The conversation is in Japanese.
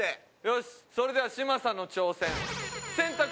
よしそれでは嶋佐の挑戦三択